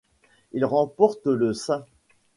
Il remporte le St.